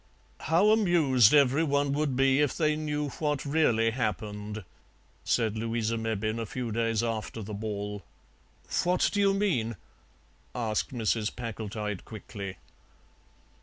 "How amused every one would be if they knew what really happened," said Louisa Mebbin a few days after the ball. "What do you mean?" asked Mrs. Packletide quickly.